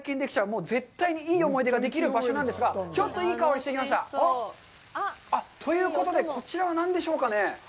もう絶対にいい思い出ができる場所なんですが、ちょっといい香りしてきました。ということで、こちらは何でしょうかね？